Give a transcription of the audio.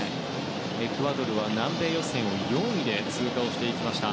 エクアドルは南米予選４位で通過していきました。